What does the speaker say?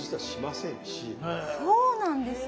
そうなんですか？